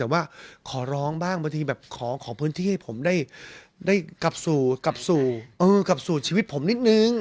แต่ว่าขอร้องบ้างบางทีแบบขอพื้นที่ให้ผมได้กลับสู่กลับสู่ชีวิตผมนิดนึง